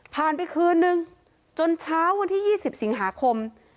ไปคืนนึงจนเช้าวันที่๒๐สิงหาคม